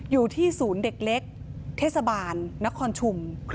อยู่ที่ศูนย์เด็กเล็กเทศบาลนครชุม